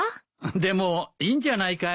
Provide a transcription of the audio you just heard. でもいいんじゃないかい？